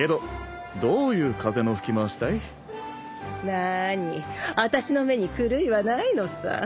なぁにあたしの目に狂いはないのさ。